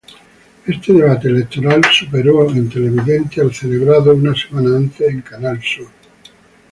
Este debate electoral superó en televidentes al celebrado una semana antes en Canal Sur.